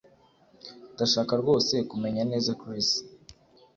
Ndashaka rwose kumenya neza Chris